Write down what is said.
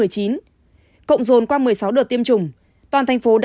cộng dồn qua một mươi sáu đợt tiêm chủng